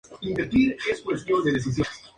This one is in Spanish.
Su padre era cantante.